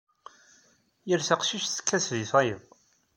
Yal taqcict tekkat deg tayeḍ.